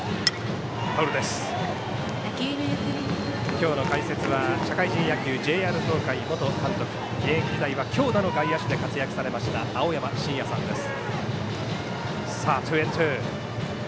今日の解説は社会人野球、ＪＲ東海元監督現役時代は強打の外野手で活躍されました青山眞也さんです。